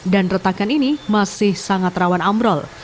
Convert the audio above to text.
dan retakan ini masih sangat rawan ambrol